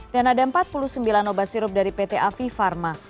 dan ada empat puluh sembilan obat sirup dari pt afi pharma